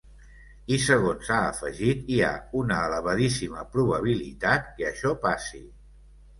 I, segons ha afegit, hi ha una “elevadíssima probabilitat” que això passi.